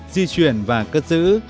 di chuyển và cất giữ